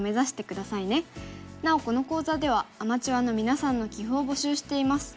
なおこの講座ではアマチュアのみなさんの棋譜を募集しています。